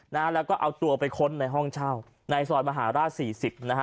นะฮะแล้วก็เอาตัวไปค้นในห้องเช่าในซอยมหาราชสี่สิบนะฮะ